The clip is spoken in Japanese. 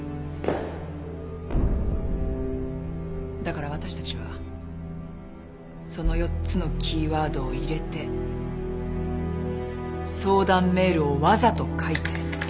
だからわたしたちはその４つのキーワードを入れて相談メールをわざと書いてあなたをおびき寄せた。